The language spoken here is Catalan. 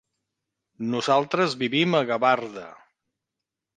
Nosaltres vivim a Gavarda.